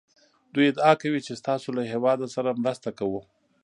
دوی ادعا کوي چې ستاسو له هېواد سره مرسته کوو